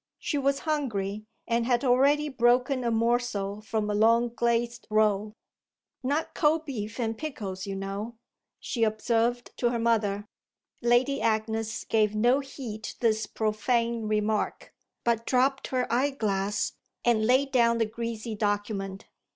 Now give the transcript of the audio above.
She was hungry and had already broken a morsel from a long glazed roll. "Not cold beef and pickles, you know," she observed to her mother. Lady Agnes gave no heed to this profane remark, but dropped her eye glass and laid down the greasy document.